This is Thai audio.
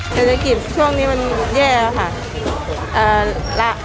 เศรษฐกิจช่วงนี้มันแย่แล้วค่ะ